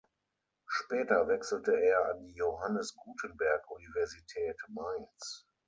Später wechselte er an die Johannes Gutenberg-Universität Mainz.